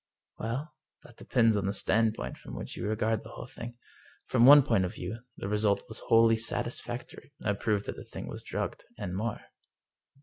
" Well, that depends on the standpoint from which you regard the thing. From one point of view the result was wholly satisfactory — I proved that the thing was drugged, and more."